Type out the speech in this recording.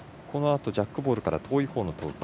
次はジャックボールから遠いほうの投球。